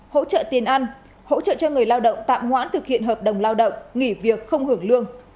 hỗ trợ tiền ăn hỗ trợ cho người lao động tạm hoãn thực hiện hợp đồng lao động nghỉ việc không hưởng lương